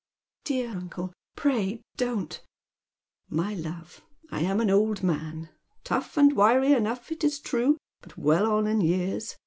" Dear uncle, pray don't "" My love, I'm an old man, — tough and wiry enough, it is true, but well on in years.